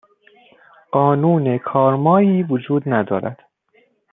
قانون کارمایی وجود ندارد